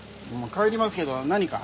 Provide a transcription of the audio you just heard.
帰りますけど何か？